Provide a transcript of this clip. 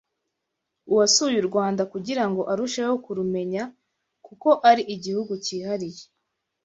uwasuye u Rwanda kugira ngo arusheho kurumenya kuko ari igihugu kihariye